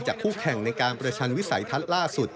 คู่แข่งในการประชันวิสัยทัศน์ล่าสุด